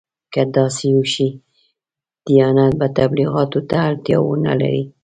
که داسې وشي دیانت به تبلیغاتو ته اړتیا ونه لري.